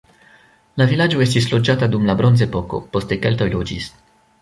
La vilaĝo estis loĝata dum la bronzepoko, poste keltoj loĝis.